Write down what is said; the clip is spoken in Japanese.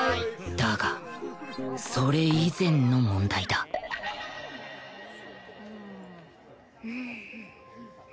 だがそれ以前の問題だんんん。